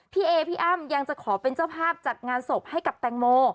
พี่เอพี่อ้ำยังจะขอเป็นเจ้าภาพจัดงานศพให้กับแตงโม